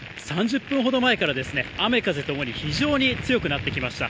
３０分ほど前からですね、雨、風ともに非常に強くなってきました。